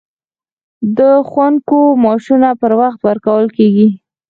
د ښوونکو معاشونه پر وخت ورکول کیږي؟